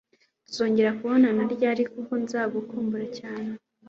Tuzongera kubonana ryari kuko nzagukumbura cyane.